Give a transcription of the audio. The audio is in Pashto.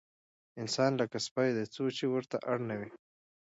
انسان لکه سپی دی، څو چې ورته اړ نه وي.